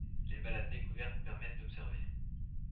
les balades découvertes permettent d’observer